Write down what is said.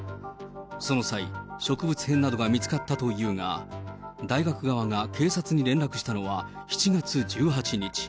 その際、植物片などが見つかったというが、大学側が警察に連絡したのは７月１８日。